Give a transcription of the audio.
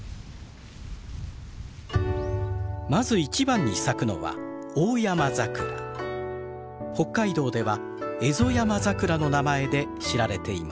まず一番に咲くのは北海道ではエゾヤマザクラの名前で知られています。